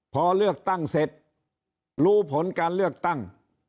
พอเลือกตั้งเสร็จรู้ผลการเลือกตั้ง